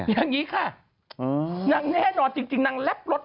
ยังงี้คะจริงนางนังนับรถ